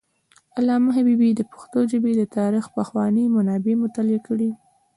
علامه حبیبي د پښتو ژبې د تاریخ پخواني منابع مطالعه کړي دي.